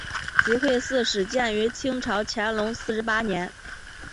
集惠寺始建于清朝乾隆四十八年。